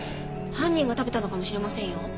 犯人が食べたのかもしれませんよ。